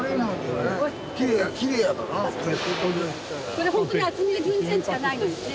これほんとに厚みが１２センチしかないのにね